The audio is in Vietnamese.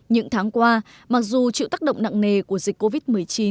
những tháng qua mặc dù chịu tác động nặng nề của dịch covid một mươi chín